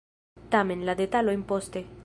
Tamen, la detalojn poste.